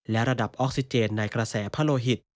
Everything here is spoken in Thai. และระดับออกซิเจนในกระแสพะโลหิต